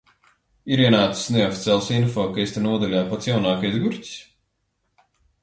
Ir ienācis neoficiāls info, ka es te nodaļā pats jaunākais gurķis.